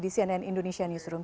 di cnn indonesian newsroom